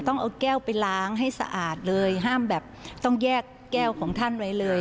ต้องเอาแก้วไปล้างให้สะอาดเลยห้ามแบบต้องแยกแก้วของท่านไว้เลย